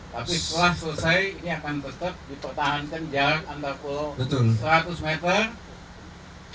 tapi setelah selesai ini akan tetap dipertahankan jarak antar pulau seratus meter